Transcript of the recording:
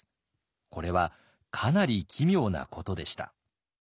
これはかなり奇妙なことでした。